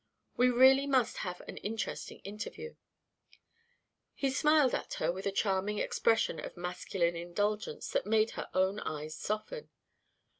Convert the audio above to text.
We really must have an interesting interview." He smiled at her with a charming expression of masculine indulgence that made her own eyes soften.